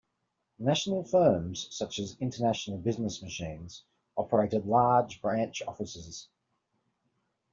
National firms, such as International Business Machines, operated large branch offices.